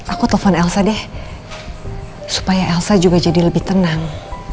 aku telpon elsa deh supaya elsa juga jadi lebih tenang